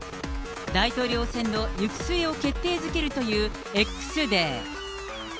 大統領選の行く末を決定づけるというＸデー。